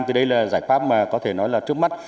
thì đây là giải pháp mà có thể nói là trước mắt